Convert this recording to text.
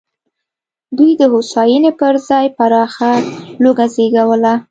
دوی د هوساینې پر ځای پراخه لوږه وزېږوله.